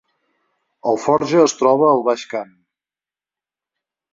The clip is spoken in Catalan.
Alforja es troba al Baix Camp